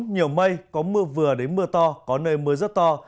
nhiều mây có mưa vừa đến mưa to có nơi mưa rất to